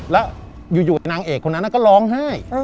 แล้วอยู่นางเอกคนนั้นก็ร้องไห้